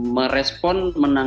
merespon menanggapi kesempatan